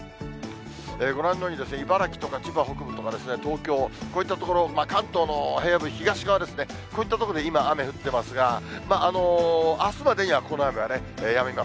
ご覧のように茨城とか千葉北部とか東京、こういった所、関東の平野部、東側ですね、こういった所で今、雨降ってますが、あすまでには、この雨はやみます。